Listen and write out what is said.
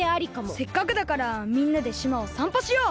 せっかくだからみんなでしまをさんぽしよう！